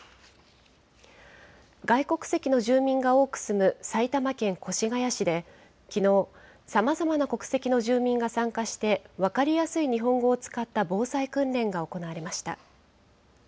外国籍の住民が多く住む埼玉県越谷市で、きのう、さまざまな国籍の住民が参加して、分かりやすい日本語を使った防災訓練が行われました。